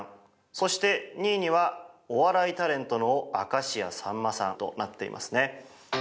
そして、２位にはお笑いタレントの明石家さんまさんとなっていますね。